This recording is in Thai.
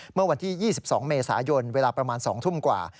เมื่อวันที่๒๒เมษายนเวลาประมาณ๒ทุ่มกว่า